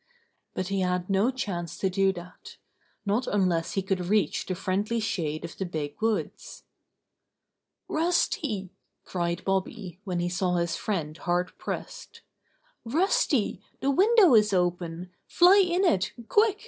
But he had no chance to do that — not unless he could reach the friendly shade of the big woods. ^^Rusty!" cried Bobby when he saw his friend hard pressed. "Rusty, the window is open! Fly in it! Quick!